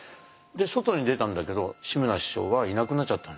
で外に出たんだけど志村師匠はいなくなっちゃった。